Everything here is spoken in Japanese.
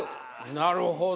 なるほど。